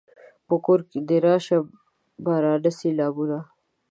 په کور دې راشه بې بارانه سېلابونه